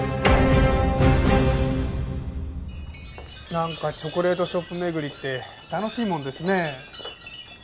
なんかチョコレートショップ巡りって楽しいもんですね。